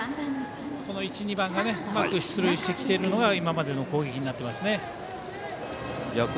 この１、２番がうまく出塁してきているのが今までの攻撃になってますね。